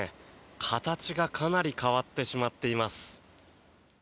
形がかなり変わってしまっています。